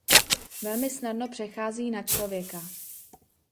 Velmi snadno přechází na člověka.